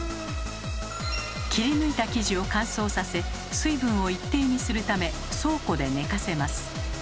切り抜いた生地を乾燥させ水分を一定にするため倉庫で寝かせます。